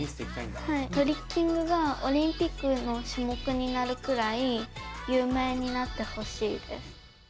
トリッキングがオリンピックの種目になるくらい有名になってほしいです。